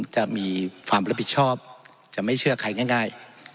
จะมีความรับผิดชอบจะไม่เชื่อใครง่าย